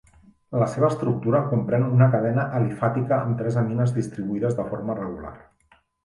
La seva estructura comprèn una cadena alifàtica amb tres amines distribuïdes de forma regular.